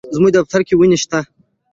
زموږ دفتر کي وني شته.